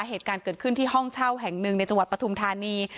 เหตุการณ์เกิดขึ้นที่ห้องเช่าแห่งหนึ่งในจังหวัดปฐุมธานี